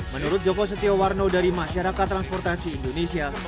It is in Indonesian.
menurut joko setiawarno dari masyarakat transportasi indonesia